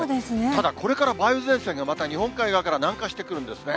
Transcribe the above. ただ、これから梅雨前線がまた、日本海側から南下してくるんですね。